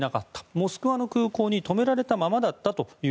モスクワの空港に止められていたままだったと。